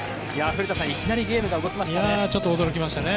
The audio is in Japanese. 古田さん、いきなりゲームが動きましたね。